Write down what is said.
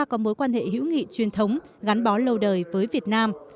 có mối quan hệ hữu nghị truyền thống gắn bó lâu đời với việt nam